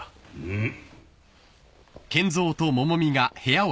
うん。